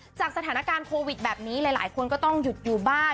จากสถานการณ์โควิดแบบนี้หลายคนก็ต้องหยุดอยู่บ้าน